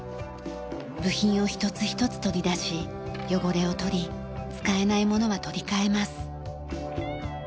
部品を一つ一つ取り出し汚れを取り使えないものは取り替えます。